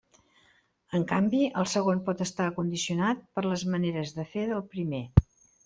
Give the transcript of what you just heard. En canvi, el segon pot estar condicionat per les maneres de fer del primer.